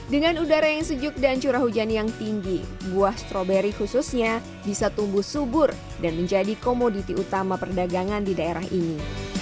dengan udara yang sejuk dan curah hujan yang tinggi buah stroberi khususnya bisa tumbuh subur dan menjadi komoditi utama perdagangan di daerah ini